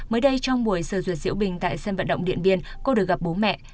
mới đây trong buổi sơ duyệt diễu bình tại sân vận động điện biên cô được gặp bố mẹ